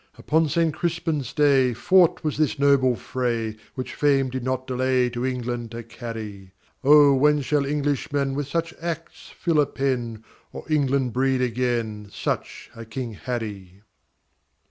Upon Saint Crispin's day Fought was this noble fray, Which fame did not delay To England to carry; Oh, when shall English men With such acts fill a pen, Or England breed again Such a King Harry?